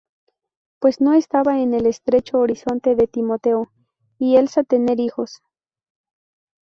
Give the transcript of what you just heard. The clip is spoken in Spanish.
Pues no estaba en el estrecho horizonte de Timoteo y Elsa tener hijos.